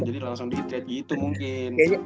jadi langsung ditreat gitu mungkin